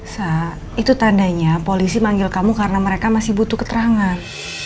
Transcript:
sah itu tandanya polisi manggil kamu karena mereka masih butuh keterangan